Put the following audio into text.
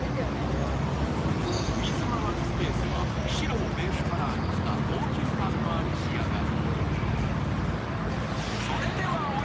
水回りスペースは白をベースカラーにした高級感のある仕上がり。